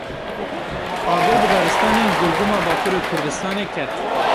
Agir bi daristanên Gurgum a Bakurê Kurdistanê ket.